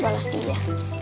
aku bales dia